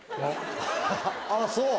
あっそう？